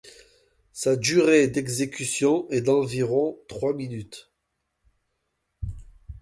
Sa durée d'exécution est d'environ trois minutes.